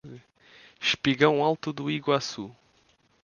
Espigão Alto do Iguaçu